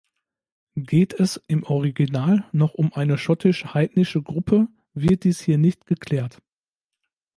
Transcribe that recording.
Geht es im Original noch um eine schottisch-heidnische Gruppe, wird dies hier nicht geklärt.